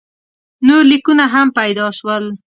نور لیکونه هم پیدا شول.